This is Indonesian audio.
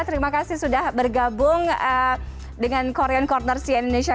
terima kasih sudah bergabung dengan korean corner cien indonesia